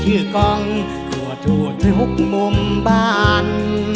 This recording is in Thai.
กองทั่วทุกมุมบ้าน